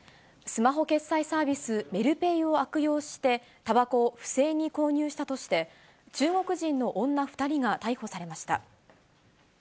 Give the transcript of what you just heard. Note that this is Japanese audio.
スマホ決済サービス、メルペイを悪用して、たばこを不正に購入したとして、中国人の女２人が逮捕されました。